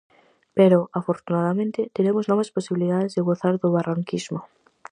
Pero, afortunadamente, teremos novas posibilidades de gozar do barranquismo.